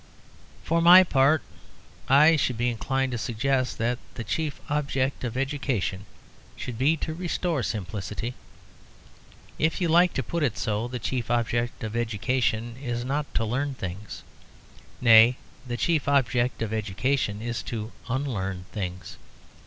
For my part, I should be inclined to suggest that the chief object of education should be to restore simplicity. If you like to put it so, the chief object of education is not to learn things; nay, the chief object of education is to unlearn things.